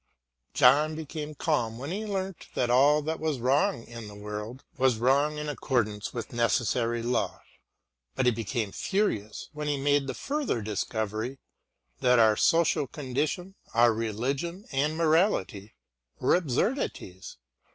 John became calm when he learnt that all that was wrong in the world was wrong in accordance with necessary law, but he became furious when he made the further discovery that our social condition, our religion and morality were absurdities.